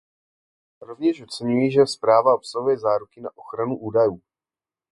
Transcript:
Rovněž oceňuji, že zpráva obsahuje záruky na ochranu údajů.